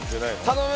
頼む！